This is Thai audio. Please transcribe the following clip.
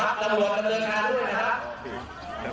ตำรวจดำเนินงานด้วยนะครับ